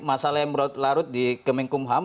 masalah yang larut di kementerian hukum ham